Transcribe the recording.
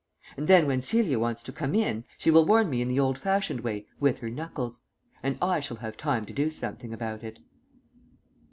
And then when Celia wants to come in she will warn me in the old fashioned way with her knuckles ... and I shall have time to do something about it.